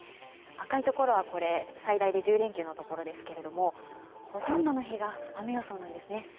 赤いところは最大で１０連休のところですけど、ほとんどの日が雨予想なんですね。